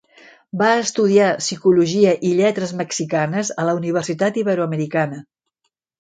Va estudiar psicologia i lletres mexicanes a la Universitat Iberoamericana.